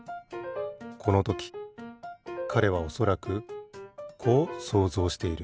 このときかれはおそらくこう想像している。